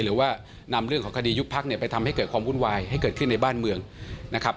หรือว่านำเรื่องของคดียุบพักเนี่ยไปทำให้เกิดความวุ่นวายให้เกิดขึ้นในบ้านเมืองนะครับ